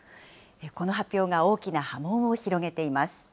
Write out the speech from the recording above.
この発表が大きな波紋を広げています。